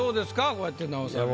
こうやって直されると。